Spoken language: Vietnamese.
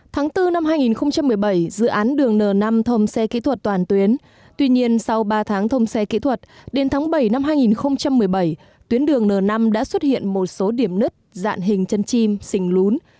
tháng bốn năm hai nghìn một mươi bảy dự án đường n năm thông xe kỹ thuật toàn tuyến tuy nhiên sau ba tháng thông xe kỹ thuật đến tháng bảy năm hai nghìn một mươi bảy tuyến đường n năm đã xuất hiện một số điểm nứt dạng hình chân chim xình lún